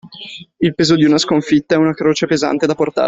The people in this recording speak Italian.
Il peso di una sconfitta è una croce pesante da portare.